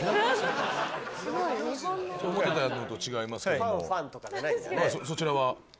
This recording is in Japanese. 思ってたのと違いますけどもそちらは？